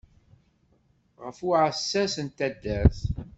Ɣef uɛssas n taddart.